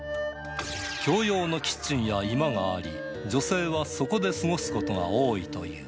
共用のキッチンや居間があり、女性はそこで過ごすことが多いという。